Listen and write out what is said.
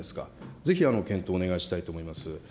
ぜひ、検討をお願いしたいと思います。